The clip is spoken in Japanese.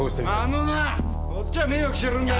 あのなこっちは迷惑してるんだよ！